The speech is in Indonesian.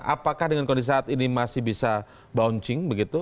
apakah dengan kondisi saat ini masih bisa bouncing begitu